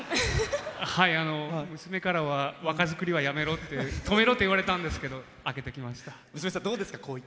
娘からは若作りはやめろってとめろと言われたんですけど開けてきました。